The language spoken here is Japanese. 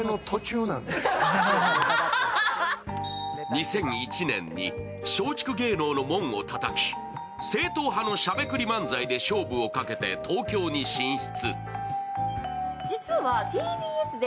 ２００１年に松竹芸能の門をたたき正統派のしゃべくり漫才で勝負をかけて東京に進出。